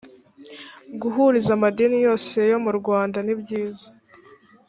guhuriza amadini yose yo murwanda nibyiza